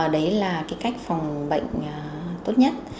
đấy là cái cách phòng bệnh tốt nhất